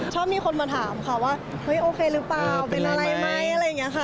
ชอบมีคนมาถามค่ะว่าเฮ้ยโอเคหรือเปล่าเป็นอะไรไหมอะไรอย่างนี้ค่ะ